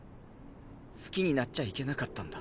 好きになっちゃいけなかったんだ。